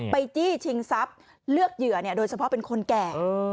จี้ชิงทรัพย์เลือกเหยื่อโดยเฉพาะเป็นคนแก่